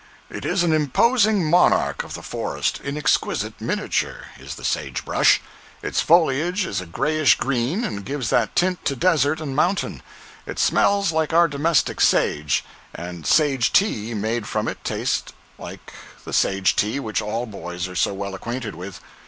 033b.jpg (30K) It is an imposing monarch of the forest in exquisite miniature, is the "sage brush." Its foliage is a grayish green, and gives that tint to desert and mountain. It smells like our domestic sage, and "sage tea" made from it taste like the sage tea which all boys are so well acquainted with.